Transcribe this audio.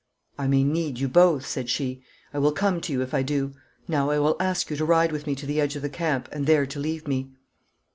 'I may need you both,' said she. 'I will come to you if I do. Now I will ask you to ride with me to the edge of the camp and there to leave me.'